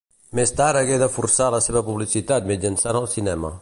Més tard hagué de forçar la seva publicitat mitjançant el cinema.